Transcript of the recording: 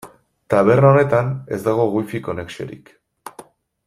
Taberna honetan ez dago Wi-Fi konexiorik.